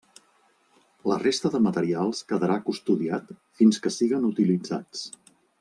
La resta de materials quedarà custodiat fins que siguen utilitzats.